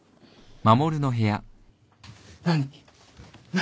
・何？